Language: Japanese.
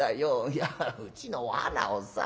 いやうちのお花をさ